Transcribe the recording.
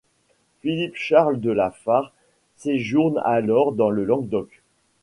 Philippe-Charles de la Fare séjourne alors dans le Languedoc.